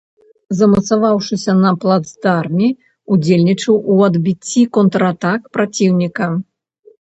Замацаваўшыся на плацдарме, удзельнічаў у адбіцці контратак праціўніка.